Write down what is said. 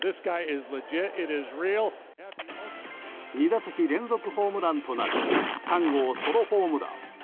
２打席連続ホームランとなる３号ソロホームラン。